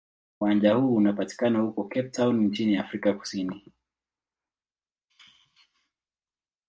Uwanja huu unapatikana huko Cape Town nchini Afrika Kusini.